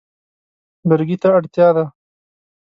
لرګي ته اړتیا ده.